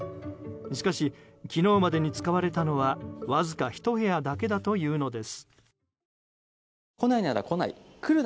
しかし、昨日までに使われたのはわずか１部屋だけだというのです。